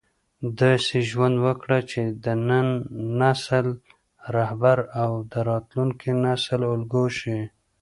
داسې ژوند وکړه چې د نن نسل رهبر او د راتلونکي نسل الګو شې.